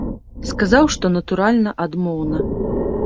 Сказаў, што, натуральна, адмоўна.